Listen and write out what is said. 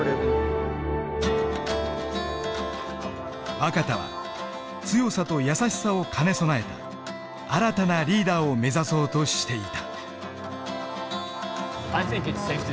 若田は強さと優しさを兼ね備えた新たなリーダーを目指そうとしていた。